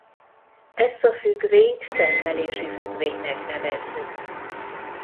Ezt a függvényt termelési függvénynek nevezzük.